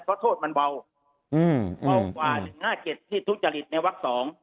เพราะโทษมันเบากว่า๑๕๗ที่ทุจริตในวัก๒